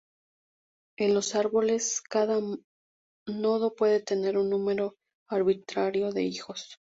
En los árboles, cada nodo puede tener un número arbitrario de hijos.